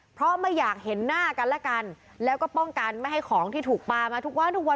เพราะไม่อยากเห็นหน้ากันและกันแล้วก็ป้องกันไม่ให้ของที่ถูกปลามาทุกวันทุกวัน